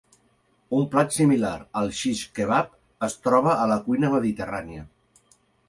Un plat similar, el xix kebab, es troba a la cuina mediterrània.